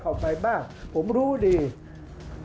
ภาคอีสานแห้งแรง